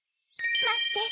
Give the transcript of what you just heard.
まって。